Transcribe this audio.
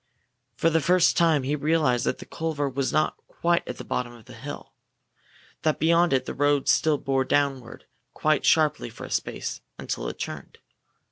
For the first time he realized that the culvert was not quite at the bottom of the hill; that beyond it the road still bore downward quite sharply for a space, until it turned.